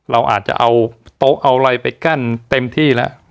เราอาจจะเอาอะไรไปกั้นเต็มที่แล้ว